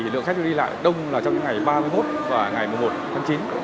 lượng khách đi lại đông là trong những ngày ba mươi một và ngày một mươi một tháng chín